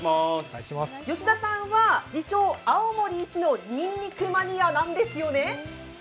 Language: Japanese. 吉田さんは自称・青森一のにんにくマニアなんですよね？